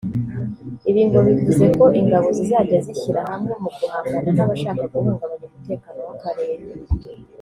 Ibi ngo bivuze ko ingabo zizajya zishyira hamwe mu guhangana n’abashaka guhungabanya umutekano w’akarere